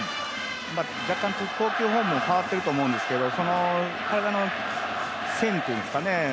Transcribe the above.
若干投球フォームも変わってると思うんですけど、体の線というんですかね